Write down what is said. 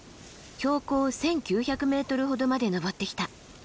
標高１，９００ｍほどまで登ってきた。